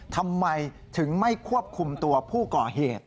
ทำไมถึงไม่ควบคุมตัวผู้ก่อเหตุ